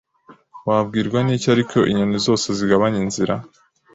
Wabwirwa niki ariko inyoni zose zigabanya inzira